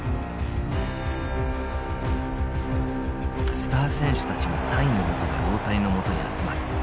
スター選手たちもサインを求め大谷のもとに集まる。